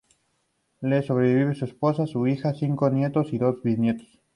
Le sobreviven su esposa, su hija, cinco nietos y dos bisnietos.